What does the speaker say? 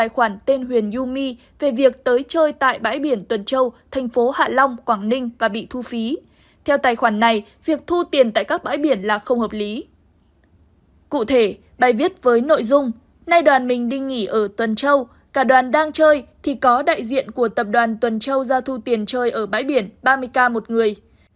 hôm nay có đại diện của tập đoàn tuần châu ra thu tiền chơi ở bãi biển ba mươi k một người